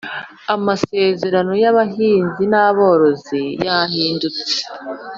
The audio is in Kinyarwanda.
amasezerano yabahinizi naborozi yahindutse